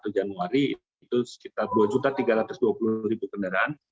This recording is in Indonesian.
satu januari itu sekitar dua tiga ratus dua puluh kendaraan